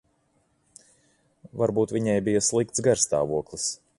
Varbūt viņai bija slikts garastāvoklis.